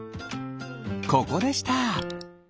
ここでした。